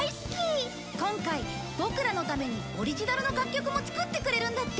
今回ボクらのためにオリジナルの楽曲も作ってくれるんだって。